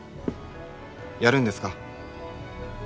やるんですか。